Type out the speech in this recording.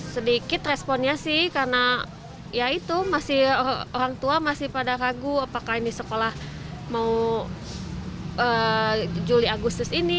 sedikit responnya sih karena ya itu masih orang tua masih pada ragu apakah ini sekolah mau juli agustus ini